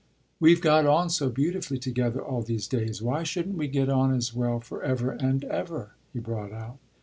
"We've got on so beautifully together all these days: why shouldn't we get on as well for ever and ever?" he brought out.